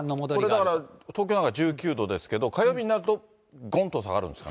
これだから、東京なんか１９度ですけど、火曜日になると、ごんと下がるんですか。